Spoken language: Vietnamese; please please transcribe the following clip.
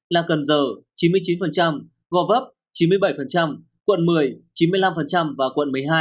là cần giờ chín mươi chín gò vấp chín mươi bảy quận một mươi chín mươi năm và quận một mươi hai chín mươi tám